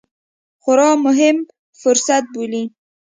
خورا مهم فرصت بولي